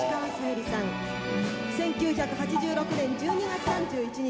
１９８６年１２月３１日